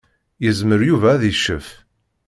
Yezmer Yuba ad iccef.